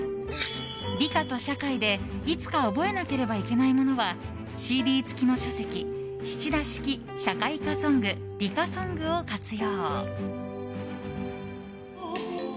理科と社会でいつか覚えなければいけないものはＣＤ付きの書籍、七田式「社会科ソング」「理科ソング」を活用。